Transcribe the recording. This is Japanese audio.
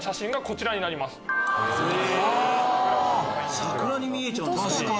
桜に見えちゃう。